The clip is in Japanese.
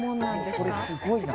これすごいな。